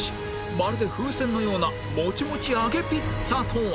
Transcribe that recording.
まるで風船のようなもちもち揚げピッツァとは！？